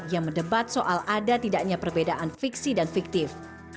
yang mendebat soal ada tidaknya perbedaan fiksi dan fiktif